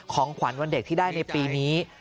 ของขวัญวันเด็กที่ได้ในปีนี้